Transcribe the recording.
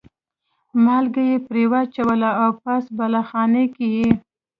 مالګه یې پرې واچوله او پاس بالاخانه کې یې.